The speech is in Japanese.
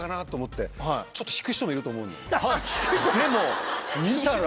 でも見たら。